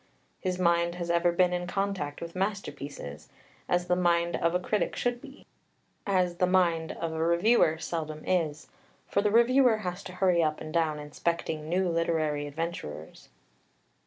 His mind has ever been in contact with masterpieces, as the mind of a critic should be, as the mind of a reviewer seldom is, for the reviewer has to hurry up and down inspecting new literary adventurers.